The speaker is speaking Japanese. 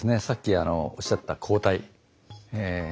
さっきおっしゃった抗体。